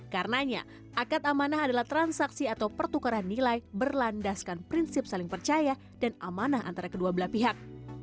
karenanya akad amanah adalah transaksi atau pertukaran nilai berlandaskan prinsip saling percaya dan amanah antara kedua belah pihak